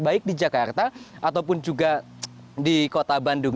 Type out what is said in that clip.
baik di jakarta ataupun juga di kota bandung